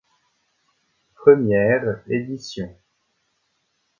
Première édition.